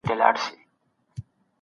ورځنی حرکت روغتیا پیاوړې کوي.